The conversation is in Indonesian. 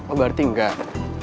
oh berarti enggak